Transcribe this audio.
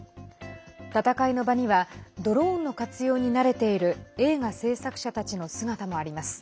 戦いの場にはドローンの活用に慣れている映画制作者たちの姿もあります。